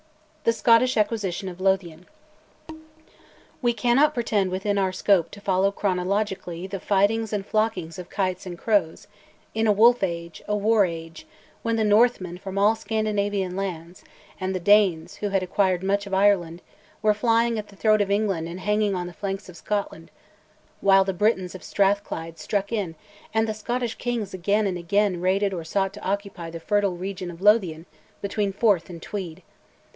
THE SCOTTISH ACQUISITION OF LOTHIAN. We cannot pretend within our scope to follow chronologically "the fightings and flockings of kites and crows," in "a wolf age, a war age," when the Northmen from all Scandinavian lands, and the Danes, who had acquired much of Ireland, were flying at the throat of England and hanging on the flanks of Scotland; while the Britons of Strathclyde struck in, and the Scottish kings again and again raided or sought to occupy the fertile region of Lothian between Forth and Tweed.